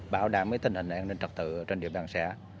bảo đảm tình hình an ninh trật tự trên địa bàn xã